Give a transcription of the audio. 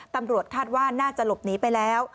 ตำรวจคาดว่าน่าจะหลบหนีไปแล้ว